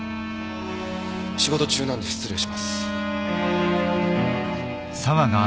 仕事中なんで失礼します。